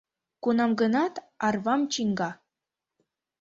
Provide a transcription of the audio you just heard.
Кунам-гынат арвам чӱҥга.